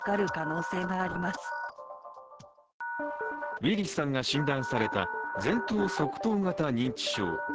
ウィリスさんが診断された前頭側頭型認知症。